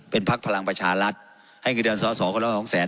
เป็นภลังบรัฏรัฐ